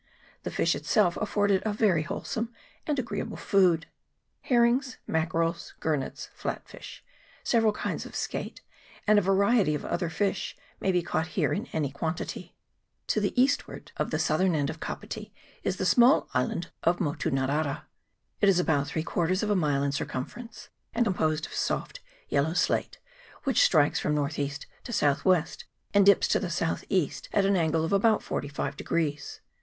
The fish itself afforded a very wholesome and agreeable food. Herrings, mackerels, gurnets, flatfish, several kinds of skate, and a variety of other fish, may be caught here in any quantity. CHAP. IV.] MOTU NARARA TAURAMORIA. Ill To the eastward of the southern end of Kapiti is the small island of Motu Narara. It is about three quarters of a mile in circumference, and composed of soft yellow slate, which strikes from north east to south west, and dips to the south east at an angle of about forty five degrees.